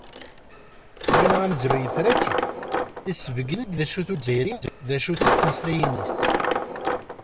Ulamma amezruy, yefra-tt-id, isebggen-d d acu-t Uzzayri, d acu-tent tmeslayin-is.